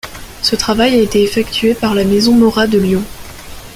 Ce travail a été effectué par la maison Mora de Lyon.